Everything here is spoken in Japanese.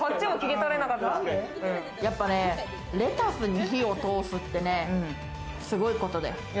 やっぱね、レタスに火を通すってね、すごいことだよ。